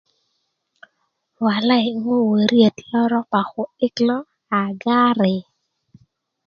walai ŋo wöriet lo ropa ku'dik lo a gari